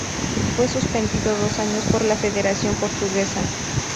Fue suspendido dos años por la federación portuguesa.